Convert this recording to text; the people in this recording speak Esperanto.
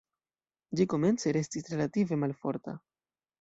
Ĝi komence restis relative malforta.